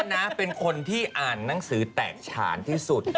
นะเป็นคนที่อ่านหนังสือแตกฉานที่สุด